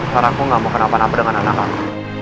karena aku gak mau kenapa napa dengan anak aku